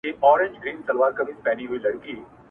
• یوه ورځ غویی جلا سو له ګورمه -